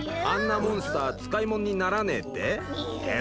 あんなモンスター使いもんにならねえって？